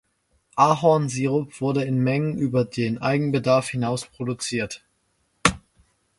Ahornsirup wurde in Mengen über den Eigenbedarf hinaus produziert.